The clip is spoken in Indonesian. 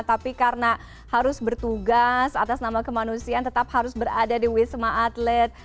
tapi karena harus bertugas atas nama kemanusiaan tetap harus berada di wisma atlet